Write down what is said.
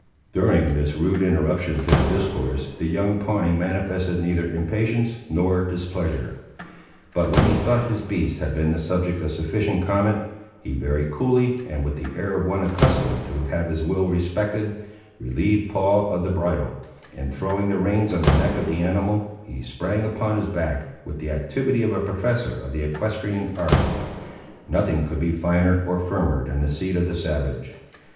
During this rude interruption to the discourse, the young Pawnee manifested neither impatience nor displeasure; but when he thought his beast had been the subject of sufficient comment, he very coolly, and with the air of one accustomed to have his will respected, relieved Paul of the bridle, and throwing the reins on the neck of the animal, he sprang upon his back, with the activity of a professor of the equestrian art. Nothing could be finer or firmer than the seat of the savage.